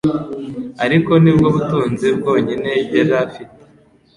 ariko nibwo butunzi bwonyine yari afite.